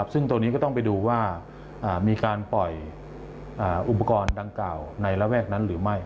ซึ่งตัวนี้ก็ต้องไปดูว่ามีการปล่อยอุปกรณ์ดังกล่าวในระแวกนั้นหรือไม่